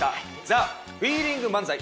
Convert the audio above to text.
ザ・フィーリング漫才。